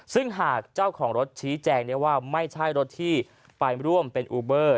ซึ่งหากเจ้าของรถชี้แจงว่าไม่ใช่รถที่ไปร่วมเป็นอูเบอร์